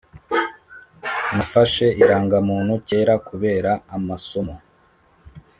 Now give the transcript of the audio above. Nafashe iragamuntu kera kubera amasomo